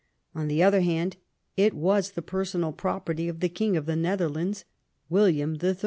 On the other hand, it was the personal property of the King of the Netherlands, William III.